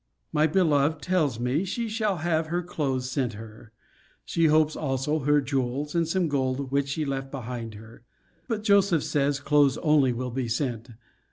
My beloved tells me, she shall have her clothes sent her. She hopes also her jewels, and some gold, which she left behind her: but Joseph says, clothes only will be sent.